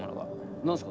何すか？